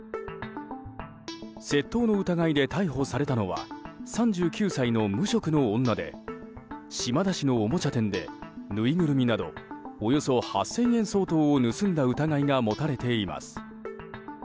窃盗の疑いで逮捕されたのは３９歳の無職の女で島田市のおもちゃ店でぬいぐるみなどおよそ８０００円相当を盗んだ疑いが持たれています。